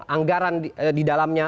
anggaran di dalamnya